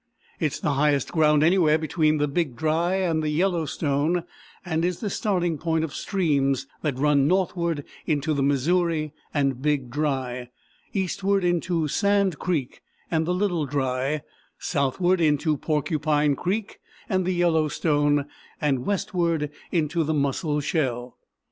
It is the highest ground anywhere between the Big Dry and the Yellowstone, and is the starting point of streams that run northward into the Missouri and Big Dry, eastward into Sand Creek and the Little Dry, southward into Porcupine Creek and the Yellowstone, and westward into the Musselshell.